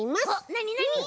なになに？